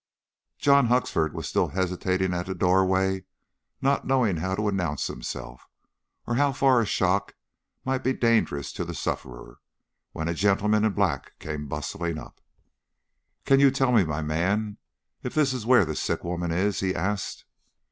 John Huxford was still hesitating at the doorway, not knowing how to announce himself, or how far a shock might be dangerous to the sufferer, when a gentleman in black came bustling up. "Can you tell me, my man, if this is where the sick woman is?" he asked.